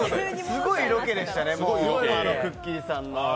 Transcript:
すごい色気でしたね、くっきー！さんの。